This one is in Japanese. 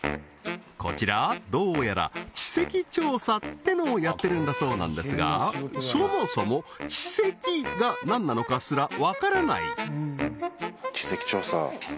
こちらどうやら地籍調査ってのをやってるんだそうなんですがそもそも「地籍」が何なのかすらわからない